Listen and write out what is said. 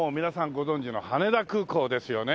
ご存じの羽田空港ですよね。